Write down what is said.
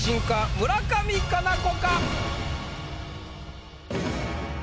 村上佳菜子！